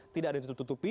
tidak ada yang ditutupi